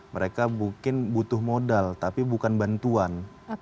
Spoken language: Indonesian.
mereka mungkin butuh modal tapi bukan bantuan